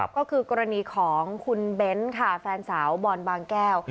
ก็คือกรณีของคุณเบ้นค่ะแฟนสาวบอลบางแก้ว